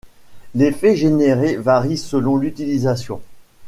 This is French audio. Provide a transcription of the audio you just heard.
L'effet généré varie selon l'utilisation.